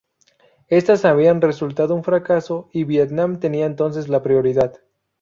Estas habían resultado un fracaso y Vietnam tenía entonces la prioridad.